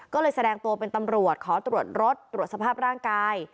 ก็เลยแสดงตัวเป็นตำรวจขอตรวจรถตรวจสภาพร่างกาย